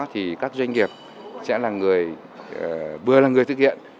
thì các doanh nghiệp sẽ vừa là người thực hiện